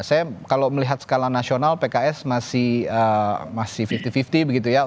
saya kalau melihat skala nasional pks masih lima puluh lima puluh begitu ya